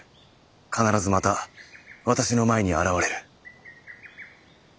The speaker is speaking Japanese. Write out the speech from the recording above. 必ずまた私の前に現れる。